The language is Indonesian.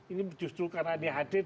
ini justru karena ini hadir